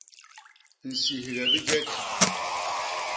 Nsihge bijek.